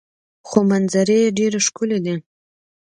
خو منظرې یې ډیرې ښکلې دي.